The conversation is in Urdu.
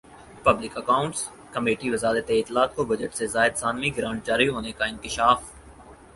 پبلک اکانٹس کمیٹیوزارت اطلاعات کو بجٹ سے زائد ثانوی گرانٹ جاری ہونے کا انکشاف